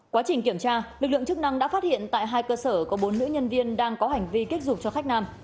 quá trình kiểm tra lực lượng chức năng đã phát hiện tại hai cơ sở có bốn nữ nhân viên đang có hành vi kích dục cho khách nam